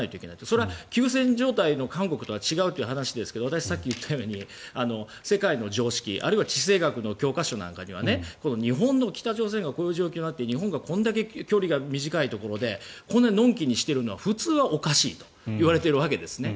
それは休戦状態の韓国とは違うという話ですけど私、さっき言ったように世界の常識あるいは地政学の教科書なんかには北朝鮮がこういう状況になって日本がこんなに距離が短いところでこんなにのんきにしているのは普通はおかしいと言われているわけですね。